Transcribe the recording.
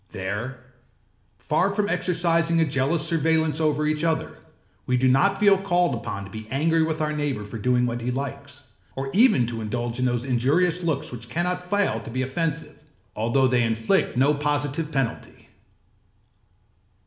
There, far from exercising a jealous surveillance over each other, we do not feel called upon to be angry with our neighbour for doing what he likes, or even to indulge in those injurious looks which cannot fail to be offensive, although they inflict no positive penalty.